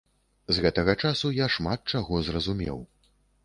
З гэтага часу я шмат чаго зразумеў.